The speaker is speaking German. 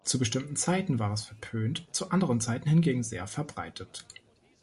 Zu bestimmten Zeiten war es verpönt, zu anderen Zeiten hingegen sehr verbreitet.